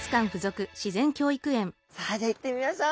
さあじゃあ行ってみましょう！